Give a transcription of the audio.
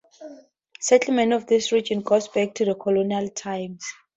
Settlement of this region goes back to colonial times.